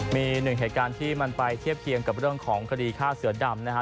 มีหนึ่งเหตุการณ์ที่มันไปเทียบเคียงกับเรื่องของคดีฆ่าเสือดำนะฮะ